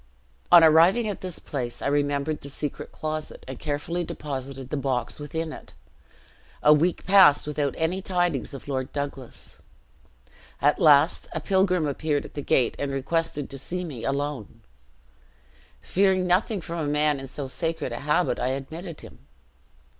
"On arriving at this place, I remembered the secret closet, and carefully deposited the box within it. A week passed, without any tidings of Lord Douglas. At last a pilgrim appeared at the gate, and requested to see me alone; fearing nothing from a man in so sacred a habit, I admitted him.